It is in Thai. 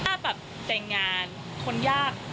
ถ้าแบบแต่งงานคนยาก